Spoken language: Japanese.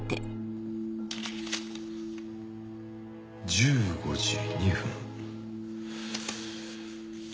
１５時２分。